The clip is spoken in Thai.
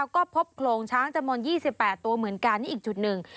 ก็พบโครงช้างจำนวน๒๘ตัวเหมือนกันนี่อีกจุดหนึ่ง